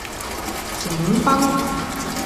檸賓